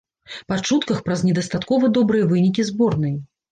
Па чутках, праз недастаткова добрыя вынікі зборнай.